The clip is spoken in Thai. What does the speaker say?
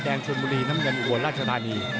แดงชุนบุรีน้ำเงินอุบลราชาณี